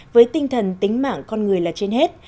với tinh thần tính mạng con người là trên hết